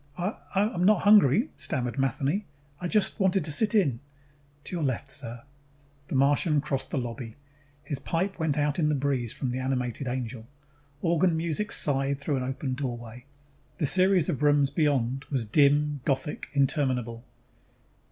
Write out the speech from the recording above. "I I'm not hungry," stammered Matheny. "I just wanted to sit in " "To your left, sir." The Martian crossed the lobby. His pipe went out in the breeze from an animated angel. Organ music sighed through an open doorway. The series of rooms beyond was dim, Gothic, interminable.